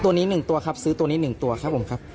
ตัวนี้หนึ่งตัวครับซื้อตัวนี้หนึ่งตัวครับผมครับ